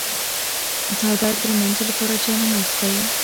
څادر د لمانځه لپاره جای نماز دی.